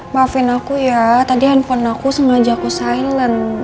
maafin aku ya tadi handphone aku sengaja ke silent